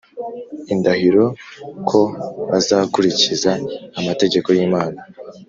indahiro ko bazakurikiza amategeko y Imana